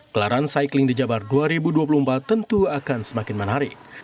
kelaran cycling di jabar dua ribu dua puluh empat tentu akan semakin menarik